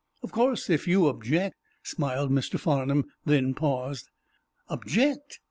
"Of course, if you object—" smiled Mr. Farnum, then paused. "Object?